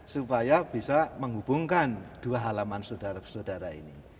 supaya bisa menghubungkan dua halaman saudara saudara ini